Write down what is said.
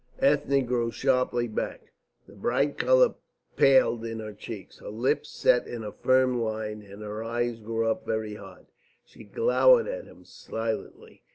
Ethne drew sharply back; the bright colour paled in her cheeks; her lips set in a firm line, and her eyes grew very hard. She glowered at him silently.